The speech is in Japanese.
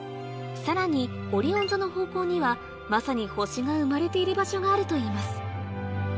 さらにオリオン座の方向にはまさに星が生まれている場所があるといいます